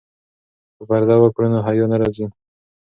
که پرده وکړو نو حیا نه ځي.